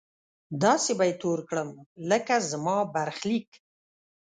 داسې به يې تور کړم لکه زما برخليک!